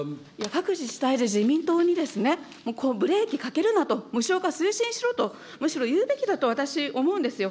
各自治体で、自民党にブレーキかけるなと、無償化推進しろと、むしろ言うべきだと、私思うんですよ。